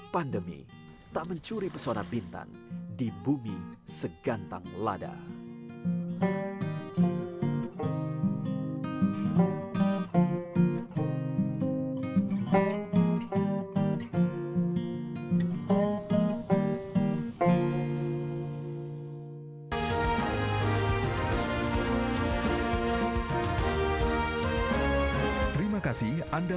pandemi tak mencuri pesona bintang di bumi segantang lada